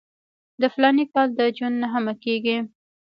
د فلاني کال د جون نهمه کېږي.